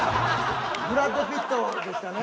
ブラッド・ピットでしたね。